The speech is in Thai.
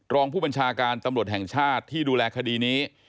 รองผู้บัญชาการตำรวจแห่งชาติที่ดูแลคดีนี้